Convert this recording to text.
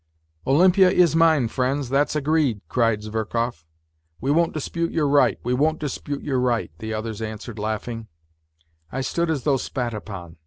" Olympia is mine, friends, that's agreed !" cried Zverkov. " We won't dispute your right, we won't dispute your right," the others answered, laughing. I stood as though spat upon.